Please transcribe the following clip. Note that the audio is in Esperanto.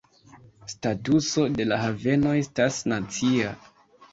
Statuso de la haveno estas "nacia".